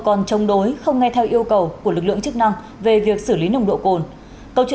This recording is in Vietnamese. chống đối như thế này